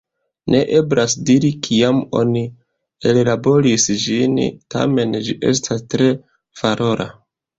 Ne eblas diri, kiam oni ellaboris ĝin, tamen ĝi estas tre valora.